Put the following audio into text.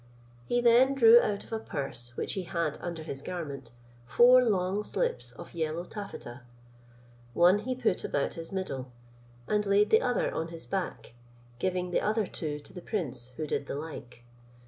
He then drew out of a purse which he had under his garment, four long slips of yellow taffety; one he put about his middle, and laid the other on his back, giving the other two to the prince, who did the like.